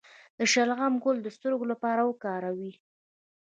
د شلغم ګل د سترګو لپاره وکاروئ